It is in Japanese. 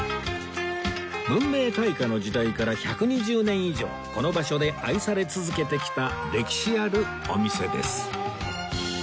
文明開化の時代から１２０年以上この場所で愛され続けてきた歴史あるお店です